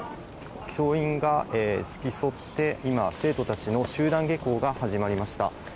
教員が付き添って今、生徒たちの集団下校が始まりました。